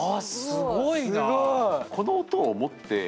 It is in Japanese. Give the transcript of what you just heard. すごい。